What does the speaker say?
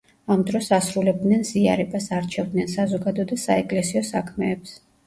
ამ დროს ასრულებდნენ ზიარებას, არჩევდნენ საზოგადო და საეკლესიო საქმეებს.